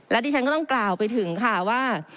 และดิฉันก็ต้องกล่าวไปถึงค่ะว่า